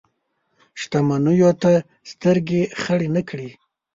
شتمنیو ته سترګې خړې نه کړي.